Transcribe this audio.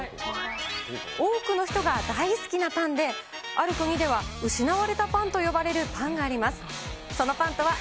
多くの人が大好きなパンで、ある国では失われたパンと呼ばれるパンがあります。